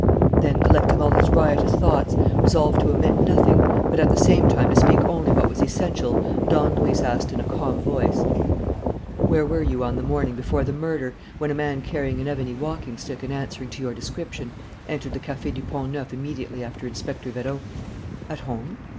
Then, collecting all his riotous thoughts, resolved to omit nothing, but at the same time to speak only what was essential, Don Luis asked, in a calm voice: "Where were you on the morning before the murder, when a man carrying an ebony walking stick and answering to your description entered the Café du Pont Neuf immediately after Inspector Vérot?" "At home."